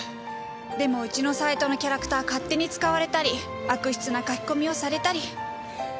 でもうちのサイトのキャラクター勝手に使われたり悪質な書き込みをされたり楽な仕事はないですね。